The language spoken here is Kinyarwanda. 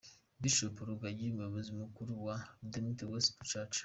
Bishop Rugagi umuyobozi mukuru wa Redeemed Gospel church.